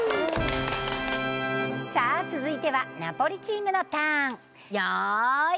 さあ続いてはナポリチームのターン。